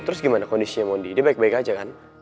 terus gimana kondisinya mondi dia baik baik aja kan